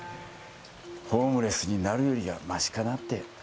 ホームレスになるよりはマシかなって。